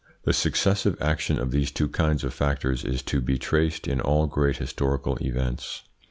The successive action of these two kinds of factors is to be traced in all great historical events.